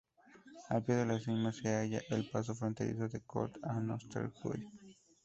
Al pie de la cima se halla el paso fronterizo de col d’Arnosteguy.